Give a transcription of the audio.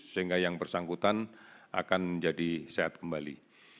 sehingga yang bersangkutan akan menjadi sehat kembali